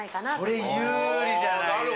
それ、有利じゃないですか。